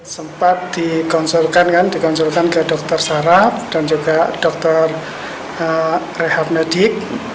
sempat dikonsulkan ke dokter sarap dan juga dokter rehab medik